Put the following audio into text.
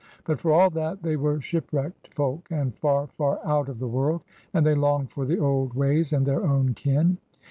But for all that, they were shipwrecked folk, and far, far out of the world, and they longed for the old ways and their own kin.